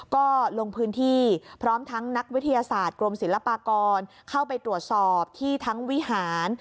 ก็ลงพื้นที่พร้อมทั้งนักวิทยาศาสตร์กรมศิลปากรเข้าไปตรวจสอบที่ทั้งวิหาร